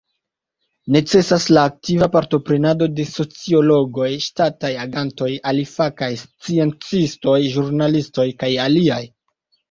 Necesas la aktiva partoprenado de sociologoj, ŝtataj agantoj, alifakaj sciencistoj, ĵurnalistoj, kaj aliaj.